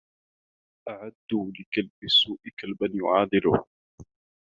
أعدّوا لكلب السوء كلبا يعادله